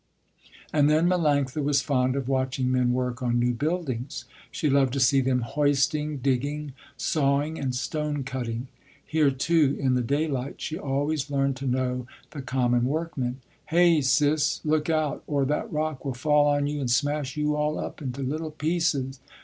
And then Melanctha was fond of watching men work on new buildings. She loved to see them hoisting, digging, sawing and stone cutting. Here, too, in the daylight, she always learned to know the common workmen. "Heh, Sis, look out or that rock will fall on you and smash you all up into little pieces.